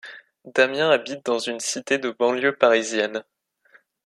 Damien habite dans une cité de banlieue parisienne.